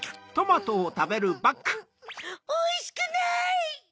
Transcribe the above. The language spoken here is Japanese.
おいしくない！